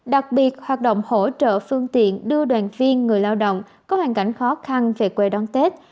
đặc biệt hoạt động hỗ trợ phương tiện đưa đoàn viên người lao động có hoàn cảnh khó khăn về quê đón tết